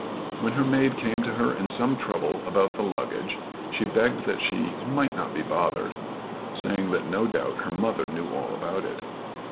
When her maid came to her in some trouble about the luggage, she begged that she might not be "bothered;" saying that no doubt her mother knew all about it.